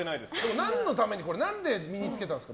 何のために身に付けたんですか？